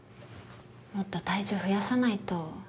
もっと体重増やさないと。